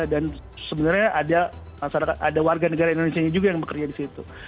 dan sebenarnya ada masyarakat ada warga negara indonesia juga yang bekerja di situ